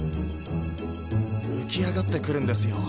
浮き上がってくるんですよ